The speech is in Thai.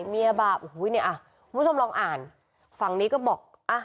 เมียบาปโอ้โหเนี่ยอ่ะคุณผู้ชมลองอ่านฝั่งนี้ก็บอกอ่ะ